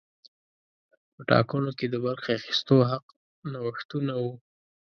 په ټاکنو کې د برخې اخیستو حق نوښتونه وو.